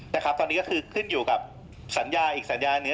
นะครับตอนนี้ก็คือขึ้นอยู่กับสัญญาอีกสัญญาหนึ่ง